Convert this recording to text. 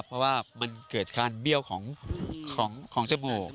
เพราะว่ามันเกิดการเบี้ยวของจมูก